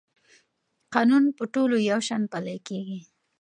قانون په ټولو یو شان پلی کېږي.